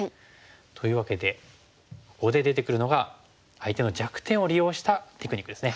というわけでここで出てくるのが相手の弱点を利用したテクニックですね。